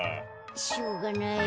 しょうがない。